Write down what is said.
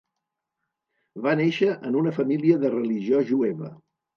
Va néixer en una família de religió jueva.